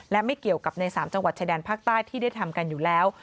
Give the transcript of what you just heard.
และไม่เกี่ยวกับใน๓จังหวัดชายแดนภาคใต้ที่ได้ทำกันอยู่แล้ว